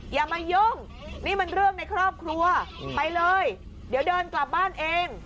อย่ามายุ่งนี่มันเรื่องในครอบครัวไปเลยเดี๋ยวเดินกลับบ้านเอง